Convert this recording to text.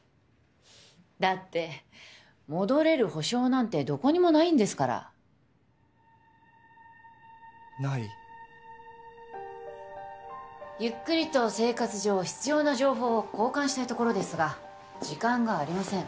だって戻れる保証なんてどこにもないんですからないゆっくりと生活上必要な情報を交換したいところですが時間がありません